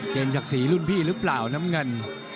ศักดิ์ศรีรุ่นพี่หรือเปล่าน้ำเงิน